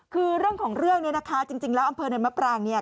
คือเรื่องของเรื่องเนี่ยนะคะจริงแล้วอำเภอเนินมะปรางเนี่ย